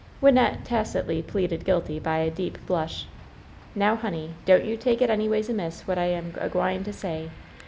Wynnette tacitly pleaded guilty by a deep blush. "Now, honey, don't you take it anyways amiss what I am a gwine to say.